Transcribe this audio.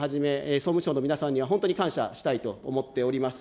総務省の皆さんには本当に感謝したいと思っております。